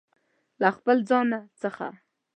له خپل ځانه څخه